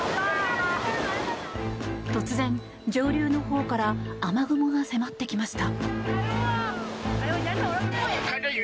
突然、上流のほうから雨雲が迫ってきました。